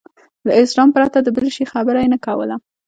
له اسلام پرته د بل شي خبره یې نه کوله.